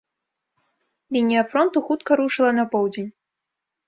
Лінія фронту хутка рушыла на поўдзень.